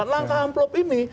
langkah amplop ini